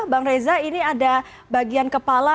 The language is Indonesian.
bang reza ini ada bagian kepala